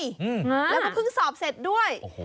แล้วก็เพิ่งสอบเสร็จด้วย